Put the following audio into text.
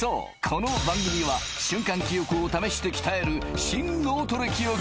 この番組は瞬間記憶を試して鍛える新・脳トレ記憶